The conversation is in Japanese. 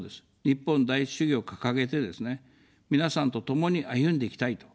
日本第一主義を掲げてですね、皆さんと共に歩んでいきたいと。